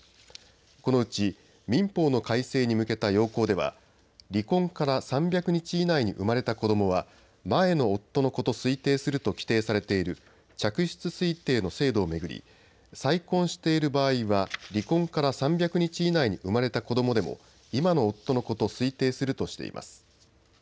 このうち民法の改正に向けた要綱では離婚から３００日以内に生まれた子どもは前の夫の子と推定すると規定されている嫡出推定の制度を巡り再婚している場合は、離婚から３００日以内に生まれた子どもでも今の夫の子と推定するとしています。